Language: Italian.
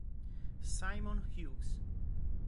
Simon Hughes